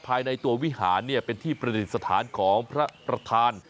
ภายในตัววิหารเป็นที่ประดิษฐานของพระประธาน